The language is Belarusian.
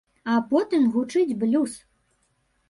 А потым гучыць блюз!